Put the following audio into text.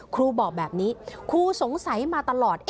ครูบอกแบบนี้ครูสงสัยมาตลอด